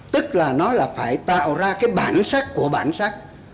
tức là nó là phải tạo ra cái bản sắc của bản sắc